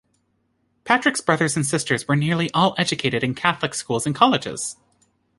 Patrick's brothers and sisters were nearly all educated in Catholic schools and colleges.